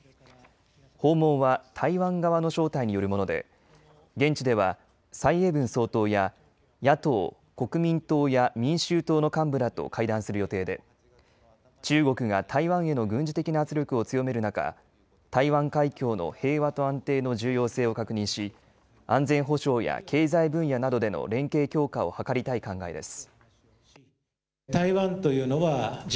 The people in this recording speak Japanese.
訪問は台湾側の招待によるもので現地では蔡英文総統や野党・国民党や民衆党の幹部らと会談する予定で中国が台湾への軍事的な圧力を強める中、台湾海峡の平和と安定の重要性を確認し安全保障や経済分野などでの連携強化を図りたい考えです。